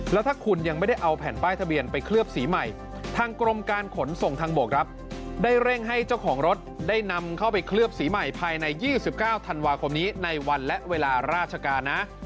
แล้วถ้าคุณยังไม่ได้เอาแผ่นป้ายทะเบียนไปเคลือบสีใหม่ทางกรมการขนส่งทางบกครับได้เร่งให้เจ้าของรถได้นำเข้าไปเคลือบสีใหม่ภายใน๒๙ธันวาคมนี้ในวันและเวลาราชการนะ